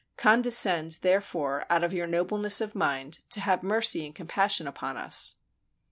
Condescend, therefore, out of your nobleness of mind, to have mercy and compassion upon us."